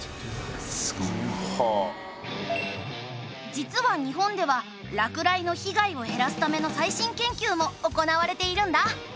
実は日本では落雷の被害を減らすための最新研究も行われているんだ。